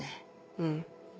うん。